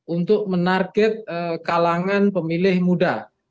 untuk menarget kalangan pemilih muda